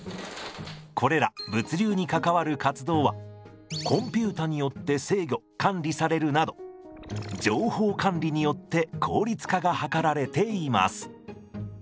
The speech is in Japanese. これら物流に関わる活動はコンピューターによって制御管理されるなど情報管理によって効率化が図られています。